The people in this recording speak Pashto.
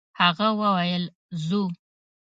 هغه وويل: «ځو!»